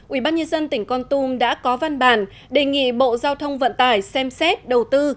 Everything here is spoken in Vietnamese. ubnd tỉnh con tum đã có văn bản đề nghị bộ giao thông vận tải xem xét đầu tư